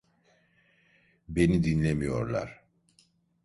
Beni dinlemiyorlar.